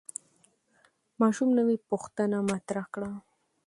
ماشوم نوې پوښتنه مطرح کړه